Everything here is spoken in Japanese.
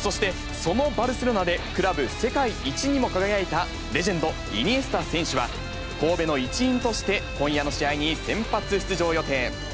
そして、そのバルセロナで、クラブ世界一にも輝いたレジェンド、イニエスタ選手は、神戸の一員として、今夜の試合に先発出場予定。